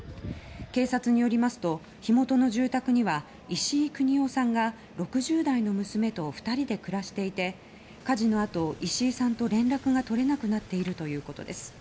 警察によりますと火元の住宅には石井國男さんが６０代の娘と２人で暮らしていて火事のあと石井さんと連絡が取れなくなっているということです。